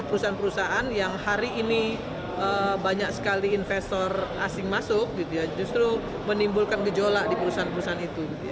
perusahaan perusahaan yang hari ini banyak sekali investor asing masuk justru menimbulkan gejolak di perusahaan perusahaan itu